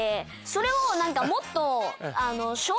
それを何かもっと。